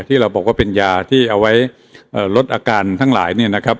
ที่เราบอกว่าเป็นยาที่เอาไว้ลดอาการทั้งหลาย